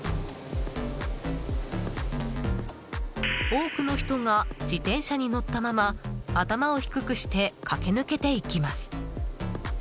多くの人が自転車に乗ったまま頭を低くして駆け抜けていきます。